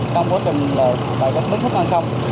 trong quá trình là bà con thích ăn xong